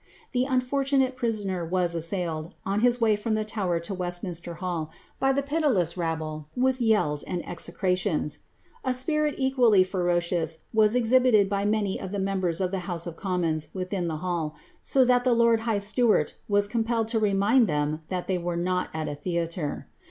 The unfortonK prisoner was assailed, on his way from the Tower to Westminster Htllj by the pitiless rabble with yells ami execrations. A spirit equally fero cious was exhibited bv manv of the members of the House of Commou I within the hall, so that the lord high steward was compelled to remind them that they were not at a theatre.